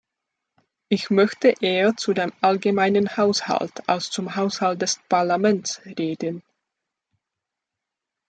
Ich möchte eher zu dem allgemeinen Haushalt als zum Haushalt des Parlaments reden.